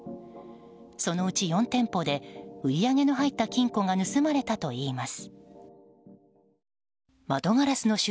そのうち４店舗で売り上げの入った金庫が盗まれたといいます。